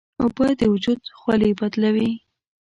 اوبه د وجود خولې بدلوي.